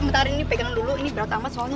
bentar ini pegang dulu ini berat amat soalnya